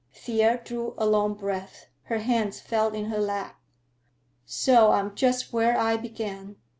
Thea drew a long breath. Her hands fell in her lap. "So I'm just where I began.